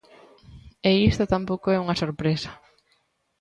E isto tampouco é unha sorpresa.